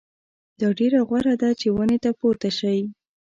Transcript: دا ډېره غوره ده چې ونې ته پورته شئ.